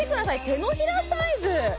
手のひらサイズ